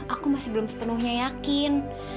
aku masih belum sepenuhnya yakin